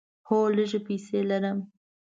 هو، لږې پیسې لرم